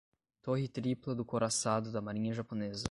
Torre tripla do couraçado da marinha japonesa